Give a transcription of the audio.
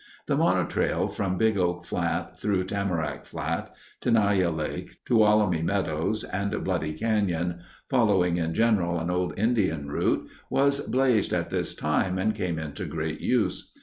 The Mono Trail from Big Oak Flat, through Tamarack Flat, Tenaya Lake, Tuolumne Meadows, and Bloody Canyon, following in general an old Indian route, was blazed at this time and came into great use.